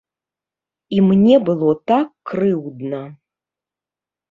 І мне было так крыўдна.